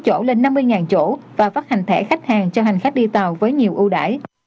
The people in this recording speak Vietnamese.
năm mươi chỗ và phát hành thẻ khách hàng cho hành khách đi tàu với nhiều ưu đải